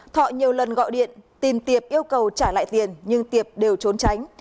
thọ nhiều lần gọi điện tìm tiệp yêu cầu trả lại tiền nhưng tiệp đều trốn tránh